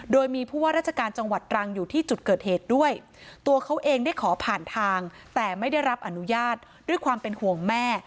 โดยมีผู้ว่าราชการจังหวัดตรังอยู่ที่จุดเกิดเหตุด้วยตัวเขาเองได้ขอผ่านทางแต่ไม่ได้รับอนุญาตด้วยความเป็นห่วงแม่